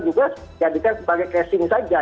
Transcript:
juga jadikan sebagai casing saja